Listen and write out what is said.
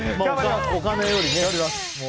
お金よりね。